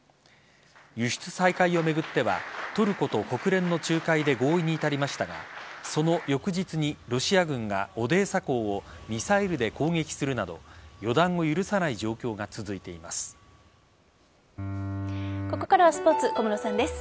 輸出再開を巡ってはトルコと国連の仲介で合意に至りましたがその翌日にロシア軍がオデーサ港をミサイルで攻撃するなど予断を許さない状況がここからはスポーツ小室さんです。